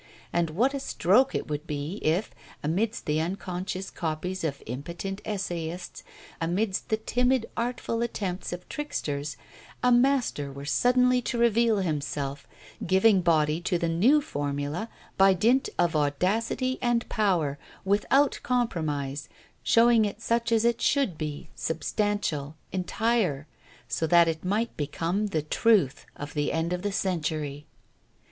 And what a stroke it would be if, amidst the unconscious copies of impotent essayists, amidst the timid artful attempts of tricksters, a master were suddenly to reveal himself, giving body to the new formula by dint of audacity and power, without compromise, showing it such as it should be, substantial, entire, so that it might become the truth of the end of the century!